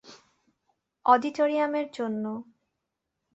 Auditorium এর জন্য।